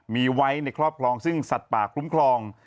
มีไว้ในครอบครองซึ่งสัตว์ป่าคุ้มครอง